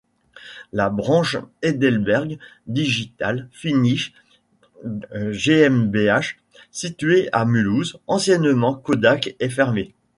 La branche Heidelberg Digital Finishing GmbH située à Mulhouse, anciennement Kodak, est fermée.